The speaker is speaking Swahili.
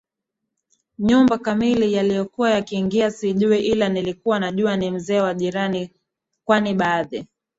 nyumba kamili aliyokuwa akiingia siijui ila nilikuwa najua ni mzee wa jirani kwani baadhi